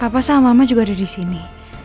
apa sama mama juga ada di sini